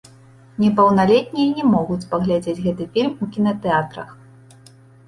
Непаўналетнія не могуць паглядзець гэты фільм у кінатэатрах.